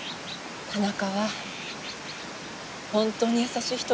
田中は本当に優しい人でした。